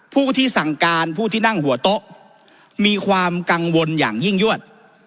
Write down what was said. ผู้ที่สั่งการผู้ที่นั่งหัวโต๊ะมีความกังวลอย่างยิ่งยวด